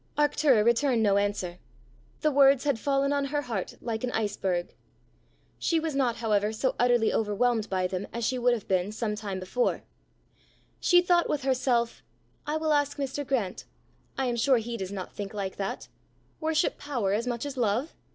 Arctura returned no answer; the words had fallen on her heart like an ice berg. She was not, however, so utterly overwhelmed by them as she would have been some time before; she thought with herself, "I will ask Mr. Grant! I am sure he does not think like that! Worship power as much as love!